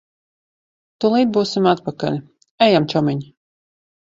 Tūlīt būsim atpakaļ. Ejam, čomiņ.